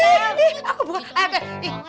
eh aku buka